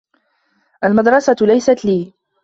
المدرسة ليست لي.